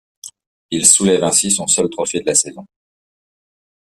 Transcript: Il soulève ainsi son seul trophée de la saison.